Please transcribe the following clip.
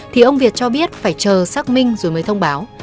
thì ông việt cho biết phải chờ xác minh rồi mới thông báo